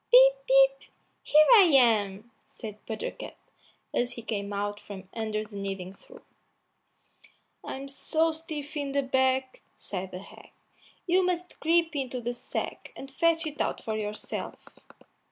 "Pip, pip! here I am," said Buttercup, as he came out from under the kneading trough. "I'm so stiff in the back," said the hag, "you must creep into the sack and fetch it out for yourself."